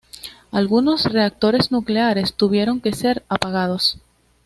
Algunos reactores nucleares tuvieron que ser apagados.